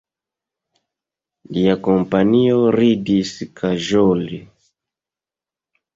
Lia kompanio ridis kaĵole.